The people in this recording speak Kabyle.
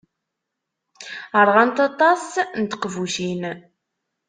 Ṛɣant aṭas n teqbucin.